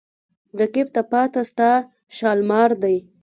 رقیب ته پاته ستا شالمار دی